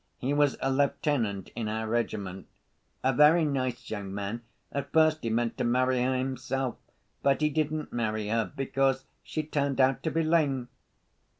He was a lieutenant in our regiment, a very nice young man. At first he meant to marry her himself. But he didn't marry her, because she turned out to be lame."